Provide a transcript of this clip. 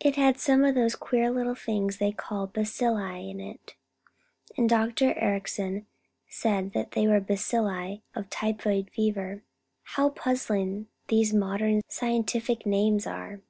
It had some of those queer little things they call bacilli in it, and Dr. Ericson said they were the bacilli of typhoid fever. How puzzling these modern scientific names are!"